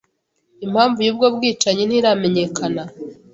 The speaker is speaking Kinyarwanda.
Impamvu y'ubwo bwicanyi ntiramenyekana.